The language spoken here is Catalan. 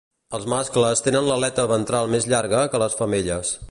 Els mascles tenen l'aleta ventral més llarga que les femelles.